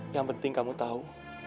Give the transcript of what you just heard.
yang penting kamu tau